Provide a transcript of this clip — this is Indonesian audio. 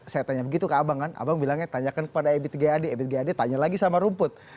saya tanya begitu ke abang kan abang bilangnya tanyakan kepada ebitg ad ebitg ad tanya lagi sama rumput